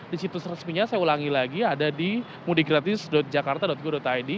di situs resminya saya ulangi lagi ada di mudikgratis jakarta go id